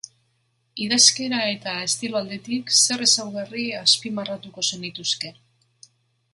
Idazkera eta estilo aldetik, zer ezaugarri azpimarratuko zenituzke?